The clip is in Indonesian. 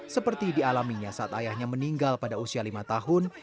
seperti dialaminya saat ayahnya meninggal pada usia lima tahun